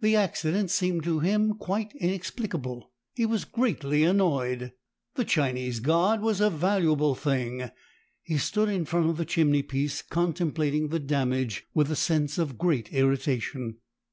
The accident seemed to him quite inexplicable. He was greatly annoyed. The Chinese god was a valuable thing. He stood in front of the chimney piece contemplating the damage with a sense of great irritation.